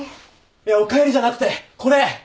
いや「おかえり」じゃなくてこれ！